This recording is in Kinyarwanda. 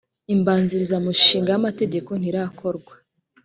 imbanzirizamushinga y ‘amategeko ntirakorwa.